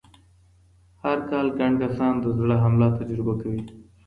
هرکال ګڼ کسان د زړه حمله تجربه کوي.